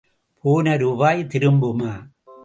போன ரூபாய் திரும்புமா?